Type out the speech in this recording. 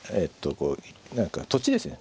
こう何か土地ですね。